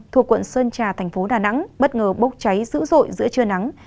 thuộc quận sơn trà thành phố đà nẵng bất ngờ bốc cháy dữ dội giữa trưa nắng